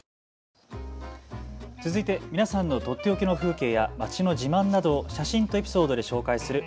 続いて皆さんのとっておきの風景や街の自慢などを写真とエピソードで紹介する＃